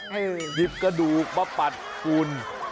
หยิบกระดูกมาปัดฝุ่น